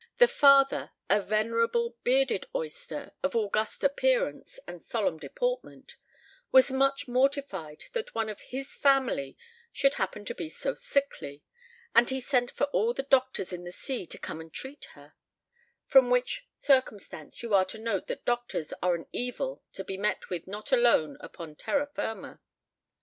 The father, a venerable, bearded oyster, of august appearance and solemn deportment, was much mortified that one of his family should happen to be so sickly; and he sent for all the doctors in the sea to come and treat her; from which circumstance you are to note that doctors are an evil to be met with not alone upon terra firma.